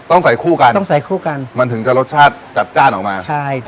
ต้องใส่คู่กันต้องใส่คู่กันมันถึงจะรสชาติจัดจ้านออกมาใช่